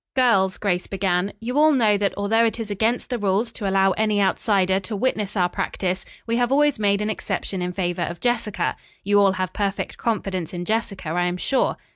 "Girls," Grace began, "you all know that although it is against the rules to allow any outsider to witness our practice, we have always made an exception in favor of Jessica. You all have perfect confidence in Jessica, I am sure.